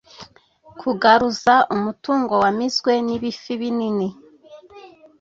Kugaruza umutungo wamizwe n’ibifi binini: